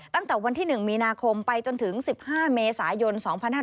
ตั้งแต่วันที่๑มีนาคมไปจนถึง๑๕เมษายน๒๕๕๙